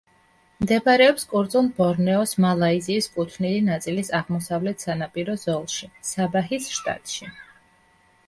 მდებარეობს კუნძულ ბორნეოს მალაიზიის კუთვნილი ნაწილის აღმოსავლეთ სანაპირო ზოლში, საბაჰის შტატში.